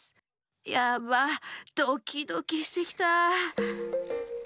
やばドキドキしてきたあ。